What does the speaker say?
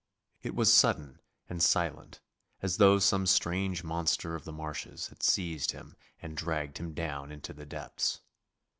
It was sudden and silent, as though some strange monster of the marshes had seized him and dragged him down into the depths.